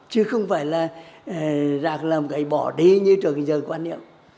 chứ không phải là rác là một cái bỏ đi như trường bây giờ quan niệm